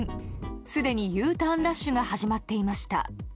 すでにＵターンラッシュが始まっていました。